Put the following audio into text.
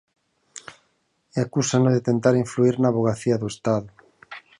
E acúsano de tentar influír na Avogacía do Estado.